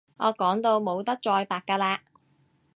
我講到冇得再白㗎喇